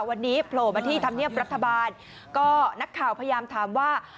วันนี้โผล่มาที่ธรรมเนียบรัฐบาลก็นักข่าวพยายามถามว่า